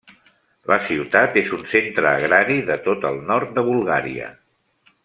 La ciutat és un centre agrari del tot el nord de Bulgària.